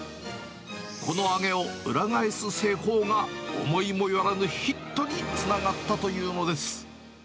この揚げを裏返す製法が、思いもよらぬヒットにつながったというのです。